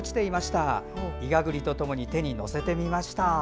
いがぐりとともに手に載せてみました。